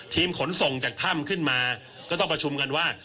ขนส่งจากถ้ำขึ้นมาก็ต้องประชุมกันว่า